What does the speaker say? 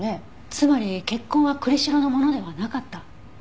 つまり血痕は栗城のものではなかった。